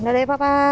dadah ya papa